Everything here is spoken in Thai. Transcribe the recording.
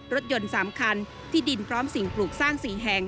รถยนต์๓คันที่ดินพร้อมสิ่งปลูกสร้าง๔แห่ง